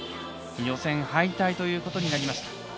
予選敗退ということになりました。